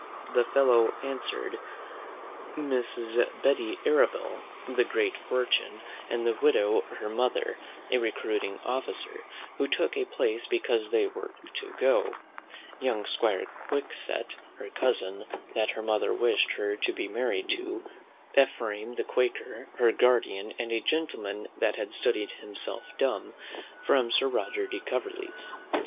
The fellow answered, Mrs. Betty Arable, the great fortune, and the widow her mother; a recruiting officer (who took a place because they were to go); young Squire Quickset her cousin (that her mother wished her to be married to); Ephraim the Quaker, her guardian; and a gentleman that had studied himself dumb, from Sir Roger de Coverley's.